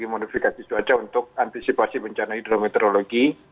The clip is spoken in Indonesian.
modifikasi cuaca untuk antisipasi bencana hidrometeorologi